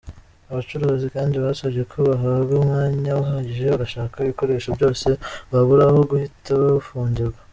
Abacuruzi kandi basabye ko bahabwa umwanya uhagije bagashaka ibikoresho byose babura, aho guhita bafungirwa.